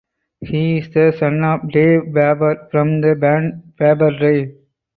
He is the son of Dave Faber from the band Faber Drive.